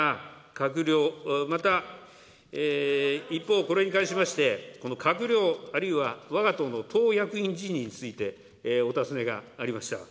また、一方、これに関しまして、この閣僚、あるいはわが党の党役員人事についてお尋ねがありました。